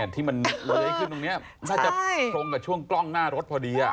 ที่มันเล้งขึ้นตรงนี้น่าจะตรงกับช่วงกล้องหน้ารถพอดี